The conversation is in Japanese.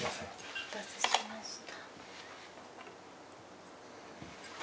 お待たせしました。